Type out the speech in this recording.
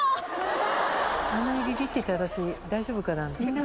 あんなにびびってて私大丈夫かな。